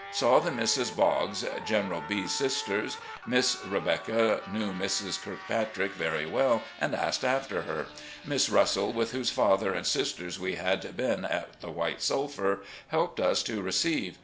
Saw the Misses Boggs, General B 's sisters. Miss Rebecca knew Mrs. Kirkpatrick very well, and asked after her. Miss Russell, with whose father and sisters we had been at the White Sulphur, helped us to receive.